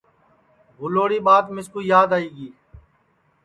بھولوری ٻات مِسکُو یاد آئی گی